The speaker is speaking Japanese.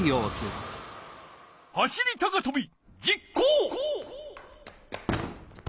走り高とび実行！